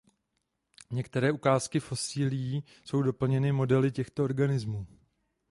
Některé ukázky fosílií jsou doplněny modely těchto organizmů.